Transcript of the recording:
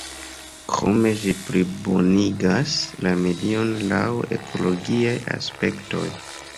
Krome ĝi plibonigas la medion laŭ ekologiaj aspektoj.